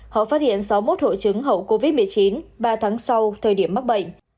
họ phát hiện sáu mươi một hội chứng hậu covid một mươi chín ba tháng sau thời điểm mắc bệnh